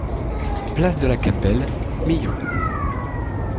Place de la Capelle, Millau